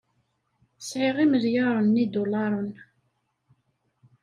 Sɛiɣ imelyaṛen n yidulaṛen.